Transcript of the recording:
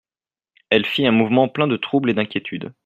Elle fit un mouvement plein de trouble et d'inquiétude.